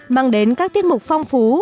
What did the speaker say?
mang đến các tiết mục phong phú